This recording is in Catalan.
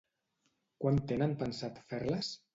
Quan tenen pensat fer-les?